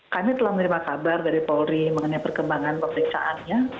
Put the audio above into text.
kami telah menerima kabar dari polri mengenai perkembangan pemeriksaannya